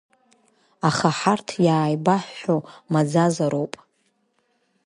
Аха ҳарҭ иааибаҳҳәо маӡазароуп.